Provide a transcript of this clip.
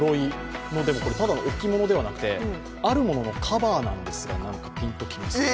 でもこれただの置物ではなくてあるもののカバーなんですが何かピンときますか？